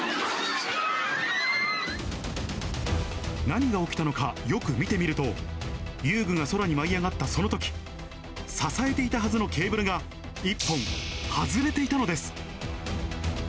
何が起きたのか、よく見てみると、遊具が空に舞い上がったそのとき、支えていたはずのケーブルが１本外れていたのです。